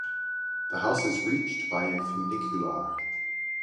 The house is reached by a funicular.